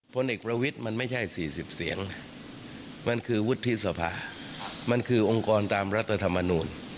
พลเอกประวิทย์มันไม่ใช่๔๐เสียงมันคือวุฒิสภามันคือองค์กรตามรัฐธรรมนูล